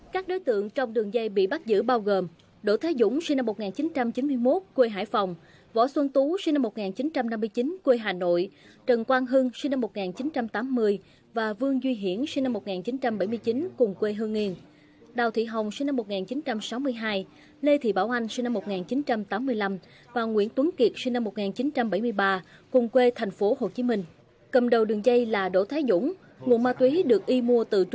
các đối tượng trong đường dây bị bắt giữ bao gồm